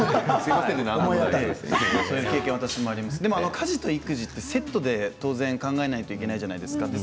家事と育児ってセットで考えないといけないじゃないですか。